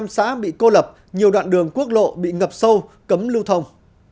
ba mươi năm xã bị cô lập nhiều đoạn đường quốc lộ bị ngập sâu cấm lưu thông